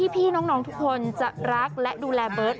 พี่น้องทุกคนจะรักและดูแลเบิร์ต